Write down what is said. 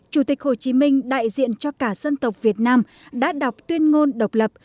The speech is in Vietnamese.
chủ tịch hồ chí minh đại diện cho cả dân tộc việt nam đã đọc tuyên ngôn độc lập